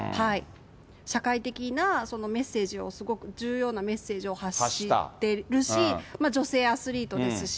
社会的なメッセージをすごく重要なメッセージを発してるし、女性アスリートですし。